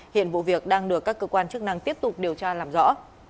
hiện vụ việc đang được các cơ quan chức năng tiếp tục điều tra làm rõ